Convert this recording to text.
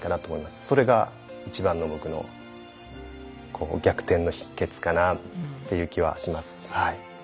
それが一番の僕の逆転の秘けつかなっていう気はします。